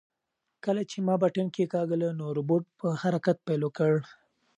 کله چې ما بټن کېکاږله نو روبوټ په حرکت پیل وکړ.